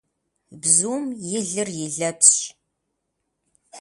Бзум и лыр, и лэпсщ.